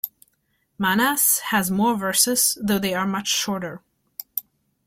Manas has more verses, though they are much shorter.